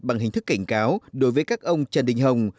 bằng hình thức cảnh cáo đối với các ông trần đình hồng